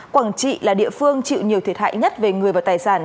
quảng trị là địa phương chịu nhiều thiệt hại nhất về người và tài sản